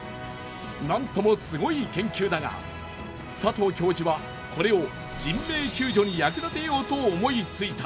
なんともすごい研究だが佐藤教授はこれを人命救助に役立てようと思いついた。